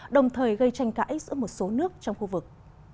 đồng thời gây tranh cãi giữa một số nước trong khu vực